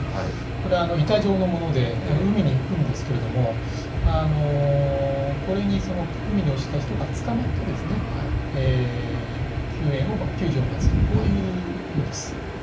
これ、板状のもので、海に浮くんですけれども、これに海に落ちた人がつかまって、救助を待つと、こういうものです。